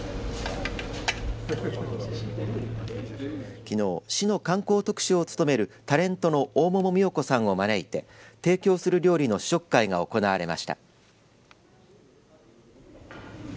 きのう市の観光特使を務めるタレントの大桃美代子さんを招いて提供する料理の試食会が行われました。